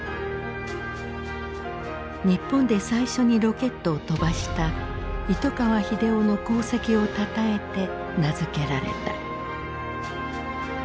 日本で最初にロケットを飛ばした糸川英夫の功績をたたえて名付けられた。